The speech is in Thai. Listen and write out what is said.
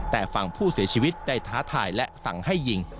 แต่ฝั่งผู้เสียชีวิตได้ท้าทายและสั่งให้ยิง